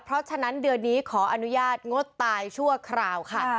เพราะฉะนั้นเดือนนี้ขออนุญาตงดตายชั่วคราวค่ะ